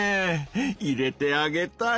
入れてあげたい！